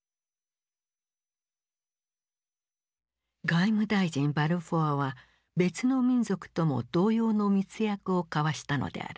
外務大臣バルフォアは別の民族とも同様の密約を交わしたのである。